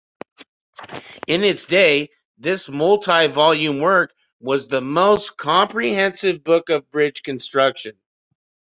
In its day, this multi-volume work was the most comprehensive book of bridge construction.